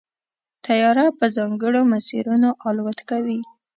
طیاره په ځانګړو مسیرونو الوت کوي.